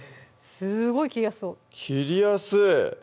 すごい切りやすそう切りやすい！